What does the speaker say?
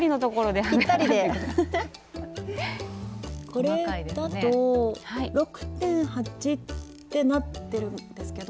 これだと６．８ってなってるんですけど。